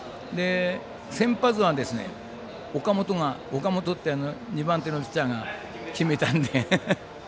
先発は、岡本って２番手のピッチャーが決めたんで。